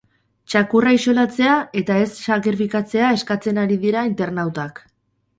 Txakurra isolatzea eta ez sakrifikatzea eskatzen ari dira internautak.